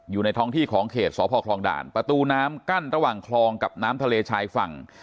อยู่ในท้องที่ของเขตสพคลองด่านประตูน้ำกั้นระหว่างคลองกับน้ำทะเลชายฝั่ง